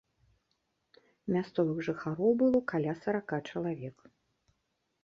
Мясцовых жыхароў было каля сарака чалавек.